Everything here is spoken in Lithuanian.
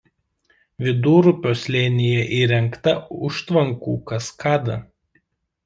Vidurupio slėnyje įrengta užtvankų kaskada.